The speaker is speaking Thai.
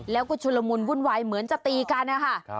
แล้วก็ชุลมุนวุ่นวายเหมือนจะตีกันนะคะ